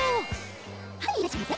はいいらっしゃいませ。